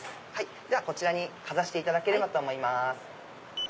こちらにかざしていただければと思います。